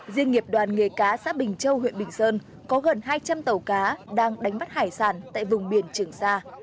riêng nghiệp đoàn nghề cá xã bình châu huyện bình sơn có gần hai trăm linh tàu cá đang đánh bắt hải sản tại vùng biển trường sa